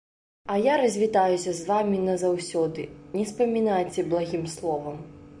А я развітаюся з вамі назаўсёды, не спамінайце благім словам.